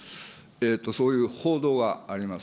そういう報道はあります。